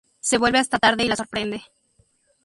Se vuelve hasta tarde y la sorprende.